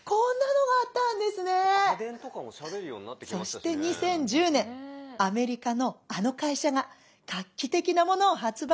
「そして２０１０年アメリカのあの会社が画期的なものを発売したの」。